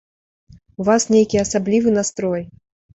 У вас нейкі асаблівы настрой.